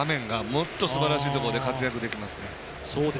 もっとすばらしいところで活躍できますね。